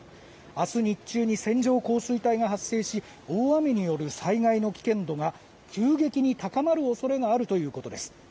明日日中に線状降水帯が発生し大雨による災害の危険度が急激に高まる恐れがあるということです。